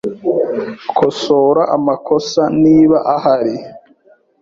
Kosora amakosa niba ahari.